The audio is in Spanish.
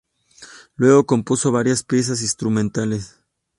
Luego compuso varias piezas instrumentales.